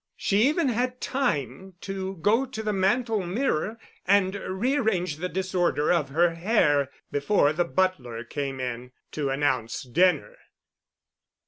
She even had time to go to the mantel mirror and rearrange the disorder of her hair before the butler came in to announce dinner.